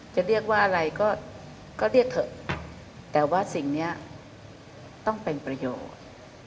จะเรียกว่าอะไรก็เรียกเถอะแต่ว่าสิ่งนี้ต้องเป็นประโยชน์